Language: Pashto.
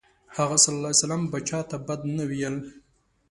هغه ﷺ به چاته بد نه ویلی.